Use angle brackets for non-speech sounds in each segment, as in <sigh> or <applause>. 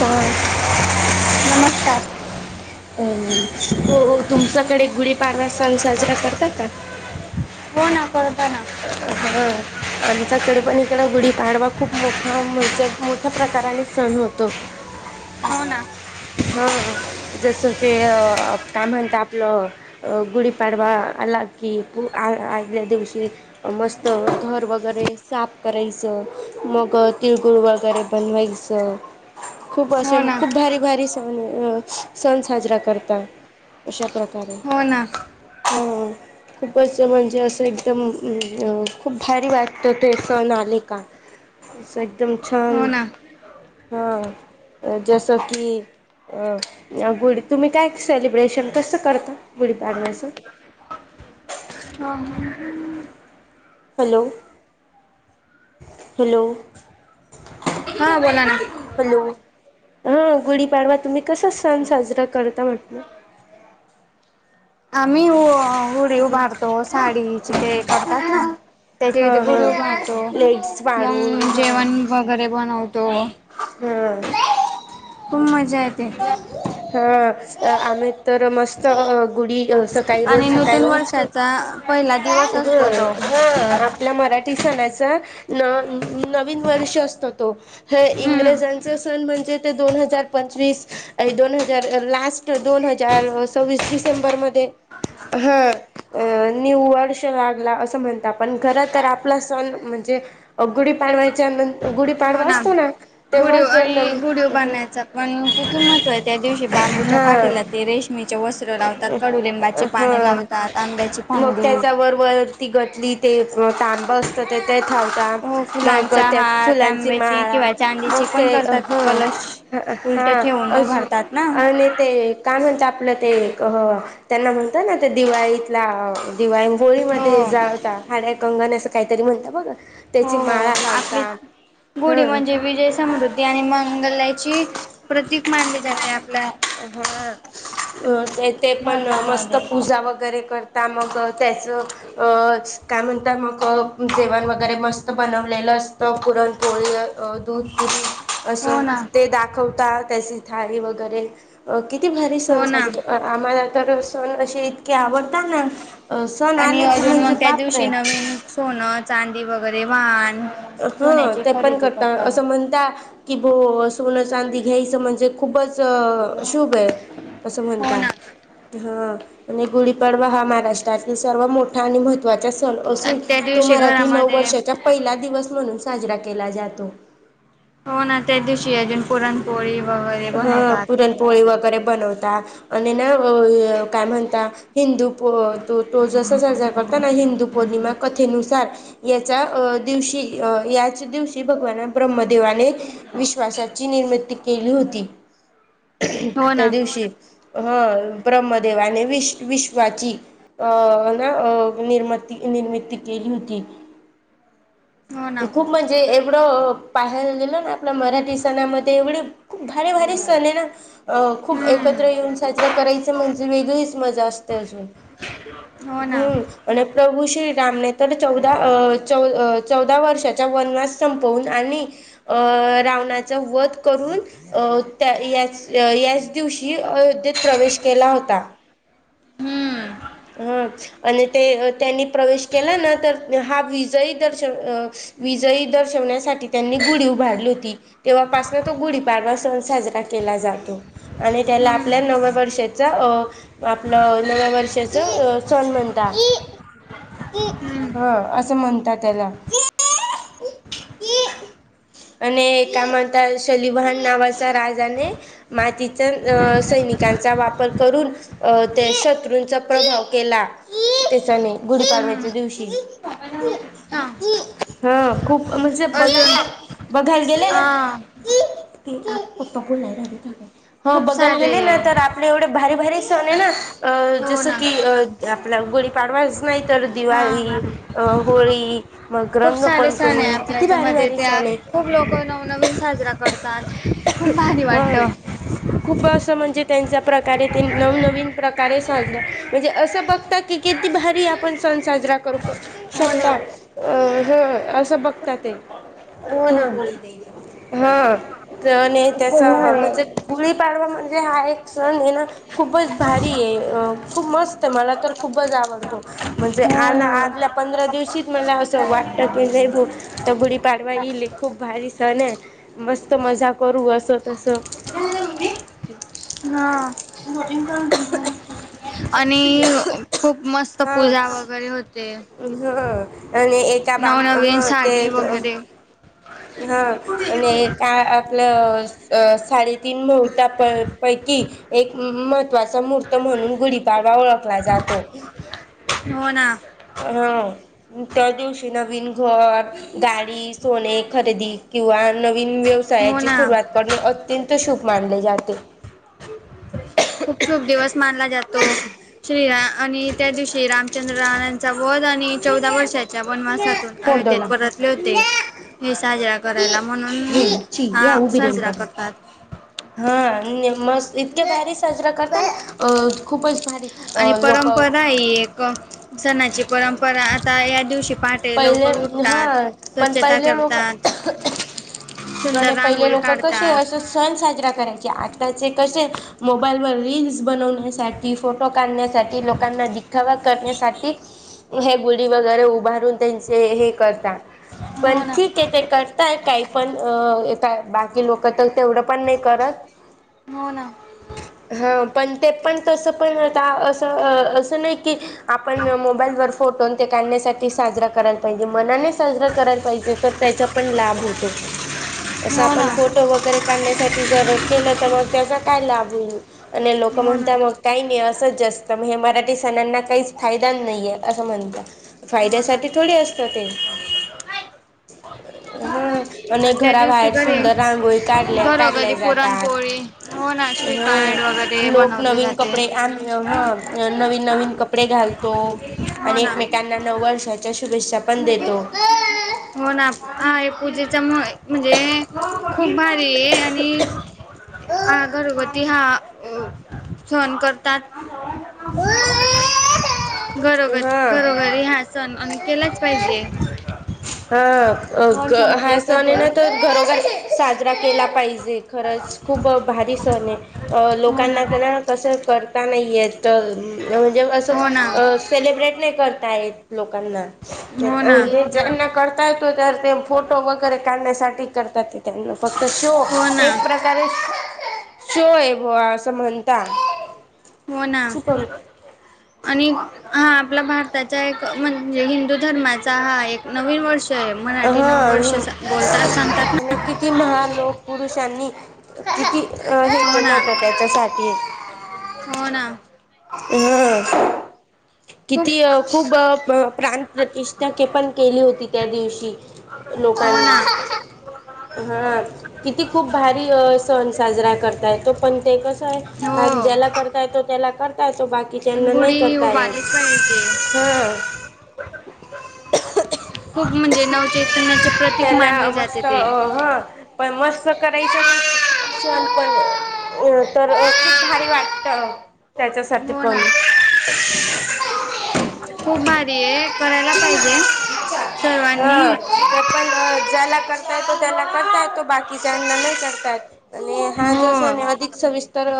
काय. नमस्कार हो तुमच्याकडे गुढीपडवा सण साजरा करतात का? हो ना करतो ना हा आमचाकडे पण इकड गुढीपाडवा खूप मोठा म्हणजे मोठ्या प्रकारे.. ने सण होतो. हो ना. हा जसं की काय म्हणत आपलं अ.... गुढीपाडवा आला. कि आ-आदल्या दिवशी. मस्त घर वगैरे साफ करायचं मग तिळगुळ वगैरे बनवायच. हो खूप असे ना खूप भारी भारी सण सण साजरा करतात अशा प्रकारे. हो ना ह खूपच म्हणजे असं एकदम. खूप भारी वाटतं ते सण आले का. एकदम छान हो ना हा जसं की. अ गुढी तुम्ही काय सेलिब्रेशन कसं करता गुढीपाडवायचं. <inaudible> हा ह हॅलो हॅलो हा बोला ना. हॅलो. हा गुढीपाडवा तुम्ही कसा सण साजरा करता म्हटलं. आम्ही. गुढी उभारतो साडीचे ते करतात ना त्याचीथे हा गुढी हा उभारतो. लेट्स पाडून मग हा जेवण वगैरे बनवत. तो... हा तूम मजा येते. हा आम्ही तर मस्त अ-गुढी. सकाळी रोज आणि नूतन सकाळी वर्षाचा पहिला दिवस र असतो तो हा आपल्या मराठी. नन नवीन वर्ष असत ते हम्म इंग्रज. म्हणजे दोन हजार पंचवीस आणि दोन हजार- दोन हजार लास्ट दोन हजार सव्वीस डिसेंबर मध्ये हा अ न्यू वर्ष लागला असं म्हणता पण खर तर आपला सण म्हणजे म्हणजे गुढी पाडवायच्या न गुढीपाडवा असतो ना तेव्हा गुडी उभारण्याचा पण तिथून महत्त्वाच्या आहेत. दिवशी बांबूच्या हा काठीला ते रेशमीचे वस्त्र लावतात कडुलिंबाचे पाणी हा लावतात आंब्याची पान मग त्याच्या वर वरती गटली ते तांब असतं ते ते थाव हो मग फुलांचा त्या हार, फुलांची तांब्याची माळा किंवा मग चांदीची पण ते करतात हा कलश. उलट हा ठेवून अजून उभारतात ना आणि ते काय म्हणता आपलं ते त्यांना म्हणता ना त्या दिवाळीतला दिवाळी हो होळीमध्ये जाळता हाड्या कंगण अस काहीतरी म्हणता बघ. हो हो आपली गुढी हा म्हणजे विजय समृद्धी आणि मंगलय ची प्रतीक मानले जाते आप हा अ ते तेे पण मस्त भारतामध्ये पूजा वगैरे करता मग ते च अ काय म्हणतात मग जेवण वगैरे मस्त बनवलेलं असतं पुरणपोळी दूध पुरी हो असं ना ते दाखवता त्याची थाळी वगैरे अ किती भारी सण हो ना. साजरे आम्हाला तर सण अशे इतके आवड आणि अजून मग त्या दिवशी बापरे नवीन सोनं चांदी वगैरे वाहन हा सोन्याची ते पण खरेदी करता करतात असं म्हणता की बो सोनं चांदी घ्यायचं म्हणजे खूपच शुभ आहे असं हो म्हणता ना हा आणि गुढीपाडवा हा म महाराष्ट्रातील सर्वात मोठा आणि महत्वाचा सण असून त्या तो दिवशी मराठी नऊ घरामध्ये वर्षाच्या पहिला दिवस म्हणून साजरा केला जातो. हो ना त्या दिवशी अजून पुरणपोळी वगैरे हा बनवतात पुरणपोळी वगैरे बनवता आणि ना अ काय म्हणता हिंदू तो जसा साजरा करता ना हिंदू पौर्णिमा क नुसार याच्या अ दिवशी अ याच दिवशी भगवान ब्रह्मदेवाने विश्वासाची निर्मिती केली होती हो ना त्या दिवशी हा ब्रह्मदेवाने विश विश्वाची अ ना अ निर्मती निर्मिती केली होती. हो ना खूप म्हणजे एवढं पाहायला गेलं ना आपल्या मराठी सणामध्ये एवढ खूप भारी भारी सण आहे ना खूप एकत्र हम्म येऊन साजरा करायचा म्हणजे वेगळीच मजा असते. अजून हो ना हम्म आणि प्रभू श्री रामने तर चौदा च चौदा वर्षात चा वनवास संपवून आणि रावणाचा वध करून अ त्या याच दिवशी अयोध्येत प्रवेश केला होता. हम्म हो आणि ते त्यांनी प्रवेश केला ना तर हा विजयी दर्शन विजयी दर्शवण्यासाठी त्यांनी गुढी उभारली होती तेव्हापासन तो गुढी पाडवा सण साजरा केला केला जातो आणि त्याला हम्म आपल्या नव वर्षात अ आपलं नव्या वर्षाच सण म्हणता हम्म हो असं म्हणतात त्याला <unintelligible> आणि काय म्हणतात शलिभान नावाचा राजाने मातीच अ सैनिकांचा वापर करून शत्रूंचा त्या प्रभाव केला त्याच्याने गुढी हम्म पाडव्याच्या दिवशी हा हा खूप म्हणजे अजून बघाय बघायला गेले ना हा <unintelligible> हो खूप बघायला सारे गेले ना तर आपले एवढे भारी भारी सण आहे ना अ हो जसं ना की आपल्याला गुडी पाडवायच नाही. तर दिवाळी, हा होळी, मगं रंगपंचमी, किती भारी मध्ये भारी त्या सण आहे खूप लोक नवनवीन साजरा करतात खूप भारी वाटत हा खूप असं म्हणजे त्यां प्रकारे नवनवीन प्रकारे साजलं म्हणजे असं बघत की किती भारी आपण सण साजरा करू हो ना शकता असं बघता ते हो ना हा खूप त्याचा भारी म्हणजे आहे. गुळी पाडवा म्हण म्हणजे हा एक सण ये ना खूपच भारी आहे खूप मस्त आहे मला तर खूपच आवडतो म्हणजे हो आला ना आदल्या पंधरा दिवशीत मला असं वाटती नाही ब गुढीपाडवा इले खूप भारीस आणि मस्त मजा करू अस तस <unintelligible> हा आणि खूप मस्त हा पूजा वगैरे होते,, ह आणि एका बाम हा नवनवीन ते साडी वगैरे हा आणि एका आप साडेतीन मुहूता पैकी एक महत्वाचा म्हणून गुढीपाडवा ओळखला जातो हो ना हा त्या दिवशी नवीन घर, गाडी, सोने, खरेदी किंवा नवीन हो व्यवसायाची ना सुरुवात करणे अत्यंत शुभ मानले जाते खूप शुभ दिवस मानला जातो श्रीरा आणि त्या दिवशी रामचंद्र राचा वध आणि चौदा वर्षाच्या वनवासातून फोड अयोध्येत दवला परतले होते हे साजरा करायला म्हणून हम्म हा साजरा करतात. <inaudible> अ खूपच भारी आणि लोक परंपरा ही एक सणाची परंपरा आता या दिवशी पहाटे पहिले लवकर हा उठतात. पण स्वच्छता पहिले लोक करतात, सुंदर म्ह पहिले रांगोळी लोक कसे काढतात. असं सण साजरा करायचे आताचे कसे मोबाईल वर रीलीलस बनवण्यासाठी फोटो काढण्यासाठी लोकांना दिखावा करण्यासाठी हे गुडी वगैरे उभारून त्यांचे हे करतात पण हो ना, ठीक आहे ते करताय काही पण का बाकी लोक तर तेवढं पण नाही करत, हो ना, <inaudible> ह पण ते पण तस पण असं-असं नाही की, आपण मोबाईल वर फोटो ते काढण्यासाठी साजरा करायला पाहिजे मनाने साजरा करायला पाहिजे तर त्याचा पण लाभ होतो. असं हो आपण ना, फोटो वगैरे काढण्यासाठी जर केलं तर मग त्याचा काय लाभ होईल आणि लक ल हो ना, म्हणता मग काही नाही असंच जास्त मग हे मराठी सणांना काहीच फायदा नाहीे असं म्हणत हो ना, <unintelligible> हा आणि अनेक त्या दिवशी घराबाहेर घरी सुंदर रांगोळी काढल्या-काढल्या घरोघरी जातात. पुरणपोळी हो ना हं श्रीखंड वगैरे लोक बनवले नवीन जाते कपडे आम हं नवीन-नवीन कपडे घालतो. हो आणि ना एकमेकांना नऊ वर्षाच्या शुभेच्छा पण देतो हो ना हा पूजेचा म म्हणजे खूप भारी आणि घरगुती हा सण करतात. बरोबर, हा घरोघरी हा सण आणि केलाच पाहिजे वर्षामध्ये हा-हा एकच सण आहे ना दिवस तर येतो घरोघर केला पाहिजे खरंच खूप भारी सण आहे हो ना लोकांना तररा कसं कर नाही आहेत म्हणजे हो ना असं सेलिब्रेट नाही करता येत. हो ना जना करता येतो तर ते फोटो वगैरे काढण्यासाठी करतात ते त्यांना फक्त शो हो ना एक प्रकारे शोय भवा असं म्हणता. हो ना, चुकून आणि हा आपला भारताच्या एक म्हणजे हिंदू धर्माचा हा एक नवीन वर्ष मराठी हा नववर्ष हिन बोलतात सांगतात ना किती महालोक पुरुषांनी किती अ हे हो केलं ना होत त्याच्यासाठी हो ना ह, खूप किती खूप प्राण प्रतिष्ठा पण केली होती त्या दिवशी हो ना लोकांनी हा किती खूप भारी सण साजरा करता येतो पण ते कसं आहे हो ज्याला करता येतो त्याला करता येतो. किचन म नाही गुढी ही करता य <unintelligible> उभारलीच पाहिजे. <inaudible> खूप म्हणजे नवचैतन्या त्याला मस्त हा पण मस्त करायचं. सण पण अ तर खूप भारी वाटतं. त्याच्यासाठी हो पण, ना <inaudible> खूप भारी आहे करायला पाहिजे. ह सर्वांनी पण ज्याला करता येतो त्याला करता येतो बाकीच्या अ नाही करतात आणि हा हो जो सण अधिक सविस्तर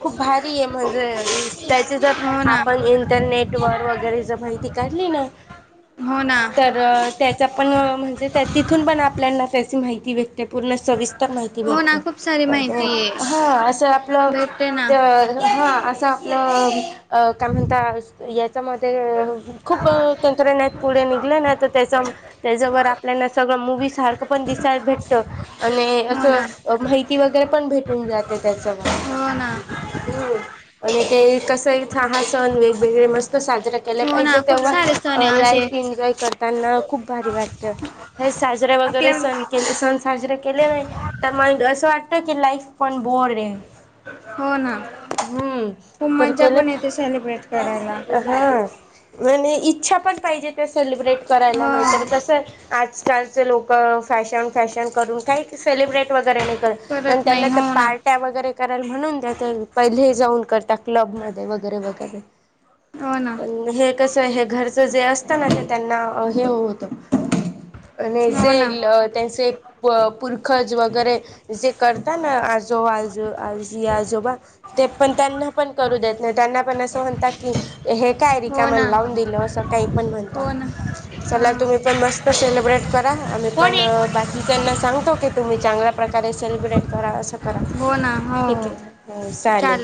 खूप भारी आहे म्हण म्ह त्याची जर हो ना आपण इंटरनेट वर वगैरे जर माहिती काढली ना हो ना तर त्याचा पण म्हणजे तिथून पण आपल्याना त्याची माहिती व्यक्त ते पूर्ण सविस्तर माहिती हो ना भेटते, खूप सारी माहिती आहे हा असं आपलं. भेटते ना तर हा असं आपलं काय म्हणता या मध्ये खूप तंत्रज्ञान पुढे निघलं ना तर त्याचा त्या आपल्याला सगळं मुवही सारखं पण दिसायला भेटतं आणि हो असं ना माहिती वगैरे पण भेटून जाते. त्याचमळे हो ना आणि ते, कसा इथं हा सण वेगवेगळे मस्त साजरा केलं हो पाहिजे ना खूप सारे सण तेव्हा आहे लाईफ असे एन्जॉय करताना खूप भारी वाटतें हे साजऱे वगैरे आपल्या सण केले सण साजरे केले नाही तर मग असं वाटत की लाईफ पण बोरं आहे हो ना हम्म खूप तर मज्जा त्याला पण येते सेलिब्रेट करायला. हा म्ह इच्छा पण पाहिजे त्या सेलिब्रेट करायला नाहीतर हो कसं आजकाल लोक फॅशन फॅशन करून काही सेलिब्रेट वगैरे न्ह करत त्यांना नाही तर हो ना पार्ट्या वगैरे कराल म्हणून त्या पहिले जाऊन करतात. क्लब मध्ये वगैरे वगैरे हो ना पण हे कसं आहे घर जे असतना ते त्यांना हे होत आणि हो ना जे त्यांचे पुरखज वगैरे जे करता ना आजोबा आजी आजोबा ते पण त्यांना पण करू देत नाही त्यांना पण असं म्हणतात की हे काय हो ना रिकामं लावून दिलं असं काही पण म्हणता हो ना चला हा तुम्ही पण मस्त सेलिब्रेट करा आम्ही कोण पण आहे? बाकीच्यांना सांगतो की तुम्ही चांगल्या प्रकारे सेलिब्रेट कराव असं करा हो ना हो ठीक हो आहे चालेल